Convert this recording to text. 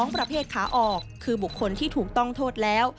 ประเภทขาออกคือบุคคลที่ถูกต้องโทษแล้ว